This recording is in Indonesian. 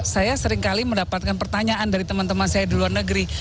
saya seringkali mendapatkan pertanyaan dari teman teman saya di luar negeri